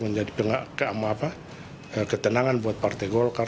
menjadi ketenangan buat partai golkar